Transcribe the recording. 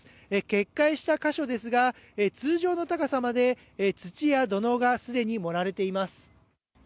決壊した箇所ですが、通常の高さまで土や土のうがすでに盛られています。